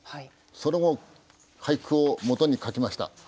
その俳句をもとに描きました。